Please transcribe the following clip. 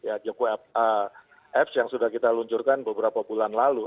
apps yang sudah kita luncurkan beberapa bulan lalu